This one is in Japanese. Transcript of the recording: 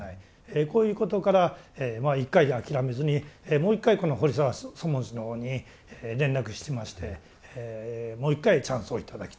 こういうことから一回で諦めずにもう一回この堀澤祖門師のほうに連絡しましてもう一回チャンスを頂きたい。